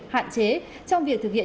hạn chế trong việc thực hiện